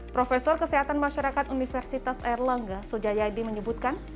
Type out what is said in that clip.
profesor kesehatan masyarakat universitas airlangga sojaya yadi menyebutkan